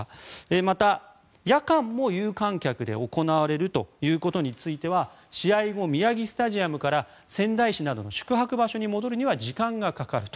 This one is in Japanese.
また、夜間も有観客で行われるということについては試合後、宮城スタジアムから仙台市などの宿泊場所に戻るには時間がかかると。